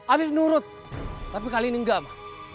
afif nurut tapi kali ini enggak mah